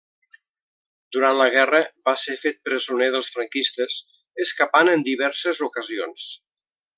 Durant la guerra va ser fet presoner pels franquistes, escapant en diverses ocasions.